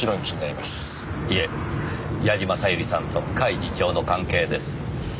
いえ矢嶋小百合さんと甲斐次長の関係です。